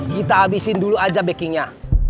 kita habisin dulu aja backingnya